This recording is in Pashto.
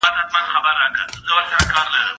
ايا ته اوبه پاکوې،